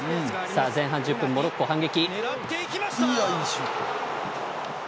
前半１０分、モロッコの反撃。